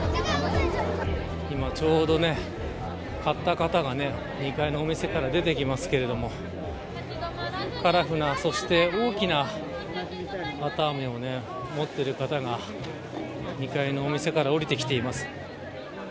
今ちょうど買った方が２階のお店から出てきますけどカラフルな、そして大きなわたあめを持っている方が２階のお店から降りてきています。